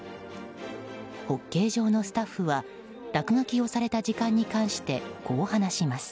ホッケー場のスタッフは落書きをされた時間に関してこう話します。